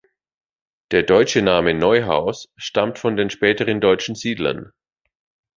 Der deutsche Name "Neuhaus" stammt von den späteren deutschen Siedlern.